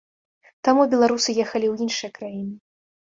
Таму беларусы ехалі ў іншыя краіны.